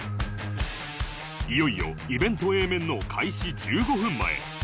いよいよイベント Ａ 面の開始１５分前